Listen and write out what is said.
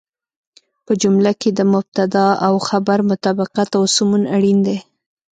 په جمله کې د مبتدا او خبر مطابقت او سمون اړين دی.